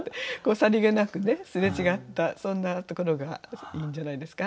さりげなくねすれ違ったそんなところがいいんじゃないですか。